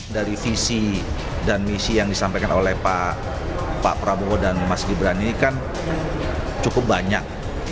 dari visi dan misi yang disampaikan oleh pak prabowo dan mas gibran ini kan cukup banyak